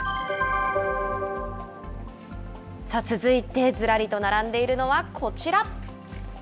続いて、ずらりと並んでいるのはこちら。